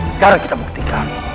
sekarang kita buktikan